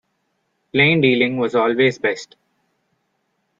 Plain dealing was always best.